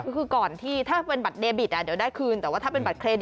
ก็คือก่อนที่ถ้าเป็นบัตรเดบิตเดี๋ยวได้คืน